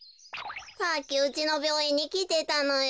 さっきうちのびょういんにきてたのよ。